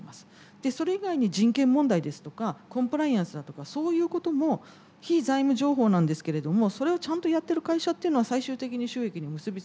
でそれ以外に人権問題ですとかコンプライアンスだとかそういうことも非財務情報なんですけれどもそれをちゃんとやってる会社っていうのは最終的に収益に結び付く。